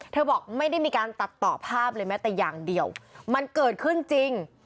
บอกไม่ได้มีการตัดต่อภาพเลยแม้แต่อย่างเดียวมันเกิดขึ้นจริง